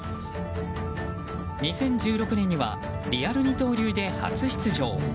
２０１６年にはリアル二刀流で初出場。